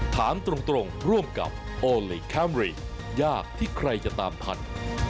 ถามตรงร่วมกับโอลี่คัมรี่ยากที่ใครจะตามทัน